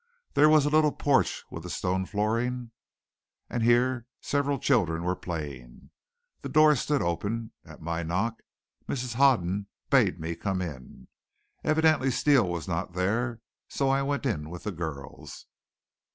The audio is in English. There was a little porch with a stone flooring, and here several children were playing. The door stood open. At my knock Mrs. Hoden bade me come in. Evidently Steele was not there, so I went in with the girls.